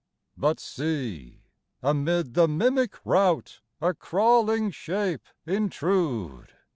But see, amid the mimic routA crawling shape intrude!